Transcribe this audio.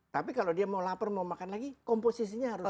tapi kalau dia mau lapar mau makan lagi komposisinya harus